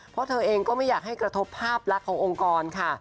เพราะเธอเองก็ไม่อยากให้กระทบภาพลักษณ์ขององค์กรค่ะ